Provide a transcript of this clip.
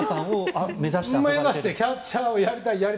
目指してキャッチャーをやりたいと。